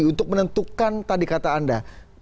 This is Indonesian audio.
untuk menentukan tadi kata anda